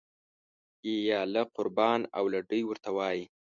یاله قربان او لنډۍ ورته وایي.